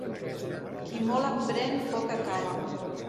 Qui molt emprèn poc acaba.